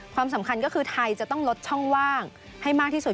ความสำคัญก็คือไทยจะต้องลดช่องว่างให้มากที่สุด